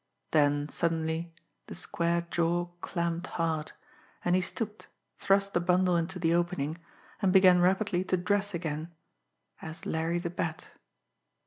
Then suddenly the square jaw clamped hard, and he stooped, thrust the bundle into the opening, and began rapidly to dress again as Larry the Bat.